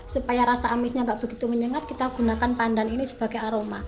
supaya rasa amitnya nggak begitu menyengat kita gunakan pandan ini sebagai aroma